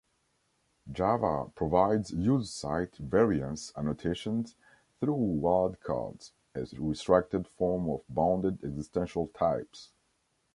Java provides use-site variance annotations through wildcards, a restricted form of bounded existential types.